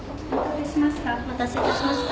お待たせいたしました。